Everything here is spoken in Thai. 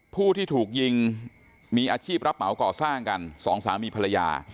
ผู้ที่ถูกยิงมีอาชีพรับเหมาก่อสร้างกันสองสามีภรรยา